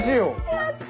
やった！